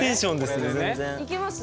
行けますね。